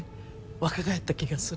若返った気がする。